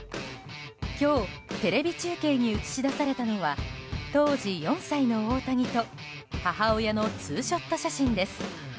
今日、テレビ中継に映し出されたのは当時４歳の大谷と母親のツーショット写真です。